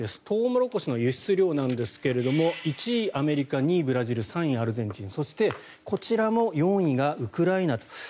トウモロコシの輸出量なんですが１位アメリカ、２位ブラジル３位、アルゼンチンそしてこちらも４位がウクライナと。